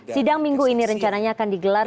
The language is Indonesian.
sidang minggu ini rencananya akan digelar